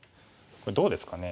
これどうですかね。